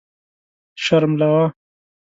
شر ملوه.